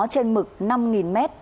trên mực năm nghìn m